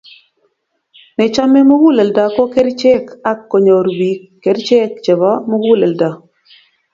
nechame muguleldo ko kerchek ak konyor bik kerchek chebo muguleldo